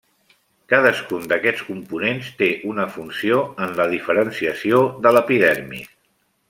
Cadascun d'aquests components té una funció en la diferenciació de l'epidermis.